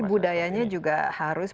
tapi budayanya juga harus berubah